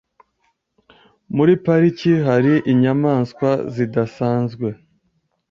Muri pariki hari inyamaswa zidasanzwe.